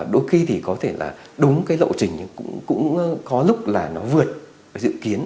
đôi khi thì có thể là đúng lộ trình nhưng cũng có lúc là nó vượt dự kiến